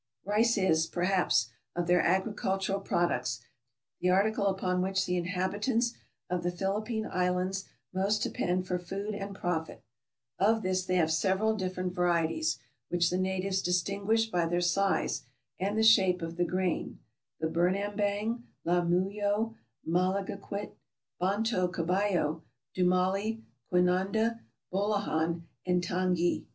Rice is, perhaps, of their agricultural products, the article upon which the inhabitants of the Philippine Islands most depend for food and profit ; of this they have several different varieties, which the natives distinguish by their size and the shape of the grain: the birnambang, lamuyo, malagequit, bontot cabayo, dumali, quinanda, bolohan, and tangi.